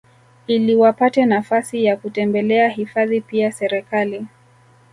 iliwapate nafasi ya kutembelea hifadhi Pia Serekali